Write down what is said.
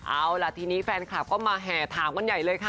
เอาล่ะทีนี้แฟนคลับก็มาแห่ถามกันใหญ่เลยค่ะ